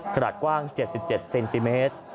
ขนาดกว้าง๗๗เซนติเมตร